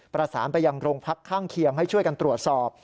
ประสานไปยังโรงพักข้างเคียงให้ช่วยกันตรวจสอบ